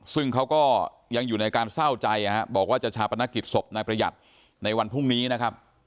ซึ่งเขาก็ยังอยู่ในการเศร้าใจบอกว่าจะชาปนกิจศพนายประหยัดในวันพรุ่งนี้นะครับ